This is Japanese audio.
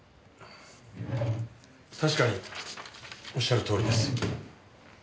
確かにおっしゃるとおりです。